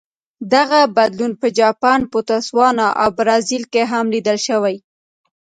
دغه بدلون په جاپان، بوتسوانا او برازیل کې هم لیدل شوی.